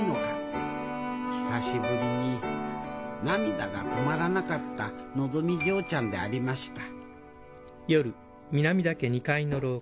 久しぶりに涙が止まらなかったのぞみ嬢ちゃんでありました